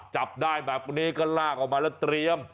จับได้แบบนี้ก็ลากออกมาแล้วเตรียม